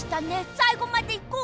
さいごまでいこう！